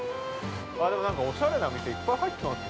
でも、なんかおしゃれな店いっぱい入ってますね。